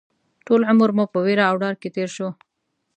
ټول عمر مو په وېره او ډار کې تېر شو